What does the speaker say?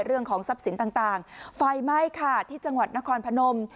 เรื่องของทรัพย์สินต่างไฟไหม้ค่ะที่จังหวัดนครพนม